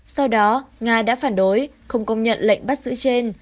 sau đó nga đã phản đối không công nhận lệnh bắt giữ trên